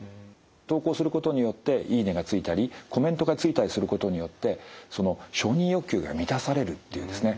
投稿することによって「いいね」がついたりコメントがついたりすることによって承認欲求が満たされるっていうですね